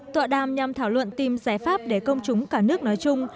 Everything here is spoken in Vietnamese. tọa đàm nhằm thảo luận tìm giải pháp để công chúng cả nước nói chung